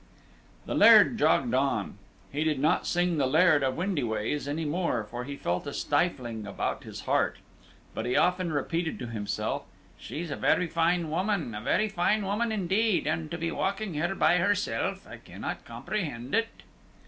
The Laird jogged on. He did not sing the Laird of Windy wa's any more, for he felt a stifling about his heart; but he often repeated to himself, "She's a very fine woman! a very fine woman indeed! and to be walking here by herself! I cannot comprehend it."